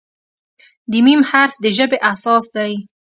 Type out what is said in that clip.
د "م" حرف د ژبې اساس دی.